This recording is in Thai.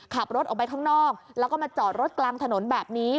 ขับรถออกไปข้างนอกแล้วก็มาจอดรถกลางถนนแบบนี้